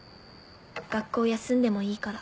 学校を休んでもいいから。